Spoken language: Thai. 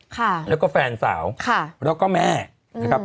ค่ะแล้วก็แฟนสาวค่ะแล้วก็แม่นะครับ